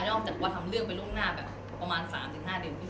ออกจากว่าทำเรื่องไปล่วงหน้าแบบประมาณ๓๕เดือนขึ้น